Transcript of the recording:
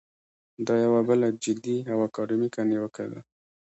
دا یوه بله جدي او اکاډمیکه نیوکه ده.